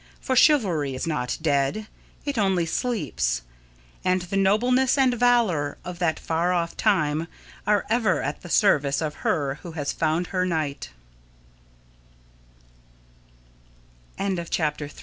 For chivalry is not dead it only sleeps and the nobleness and valour of that far off time are ever at the service of her who has found her kni